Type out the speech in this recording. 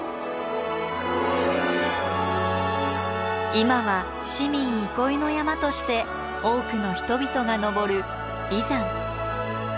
今は市民憩いの山として多くの人々が登る眉山。